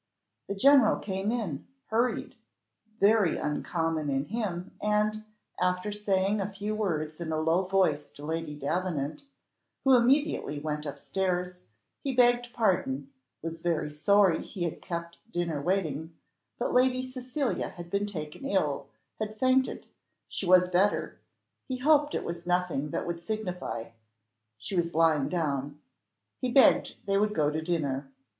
The general came in, hurried very uncommon in him, and, after saying a few words in a low voice to Lady Davenant, who immediately went up stairs, he begged pardon, was very sorry he had kept dinner waiting, but Lady Cecilia had been taken ill had fainted she was better he hoped it was nothing that would signify she was lying down he begged they would go to dinner.